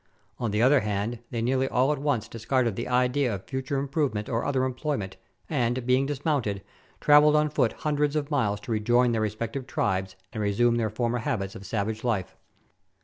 On the other hand, they nearly all at once discarded the idea of further improve ment or other employment, and, being dismounted, travelled on foot hundreds of miles to rejoin their respective tribes and resume their former habits of savage life.